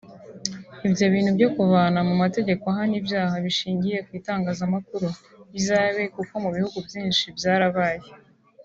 ibyo bintu byo kuvana mu mategeko ahana ibyaha bishingiye ku itangazamakuru bizabe kuko mu bihugu byinshi byarabaye